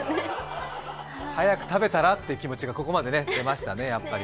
早く食べたらという気持ちが、ここまで出ましたね。